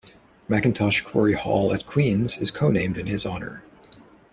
Mackintosh-Corry Hall at Queen's is co-named in his honour.